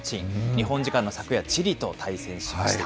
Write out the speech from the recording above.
日本時間の昨夜、チリと対戦しました。